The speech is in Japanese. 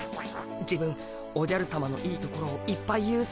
自分おじゃるさまのいいところをいっぱい言うっす。